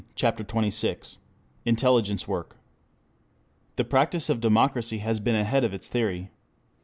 CHAPTER XXVI INTELLIGENCE WORK 1 THE practice of democracy has been ahead of its theory.